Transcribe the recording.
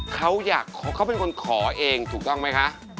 เขาอยากเขาเป็นคนขอเองถูกต้องไหมคะ